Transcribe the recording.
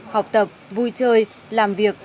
học tập vui chơi làm việc